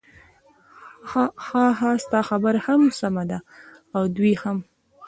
ههه ستا خبره هم سمه ده او د دوی هم.